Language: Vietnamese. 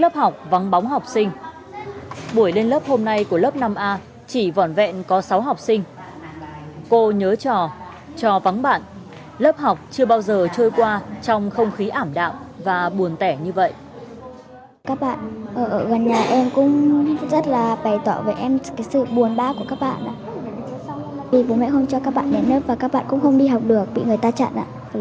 bố mẹ không cho các bạn đến lớp và các bạn cũng không đi học được bị người ta chặn ạ